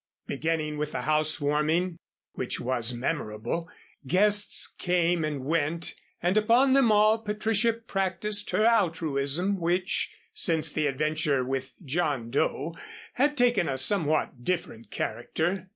Beginning with the housewarming, which was memorable, guests came and went and upon them all Patricia practiced her altruism which, since the adventure with John Doe, had taken a somewhat different character.